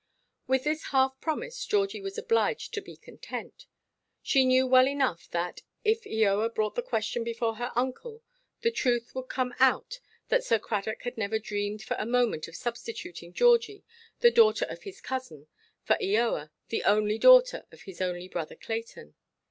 With this half promise Georgie was obliged to be content. She knew well enough that, if Eoa brought the question before her uncle, the truth would come out that Sir Cradock had never dreamed for a moment of substituting Georgie, the daughter of his cousin, for Eoa, the only daughter of his only brother Clayton.